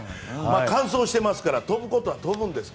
乾燥していますから飛ぶことは飛ぶんですが